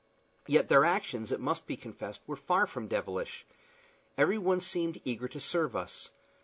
Yet their actions, it must be confessed, were far from devilish. Everyone seemed eager to serve us.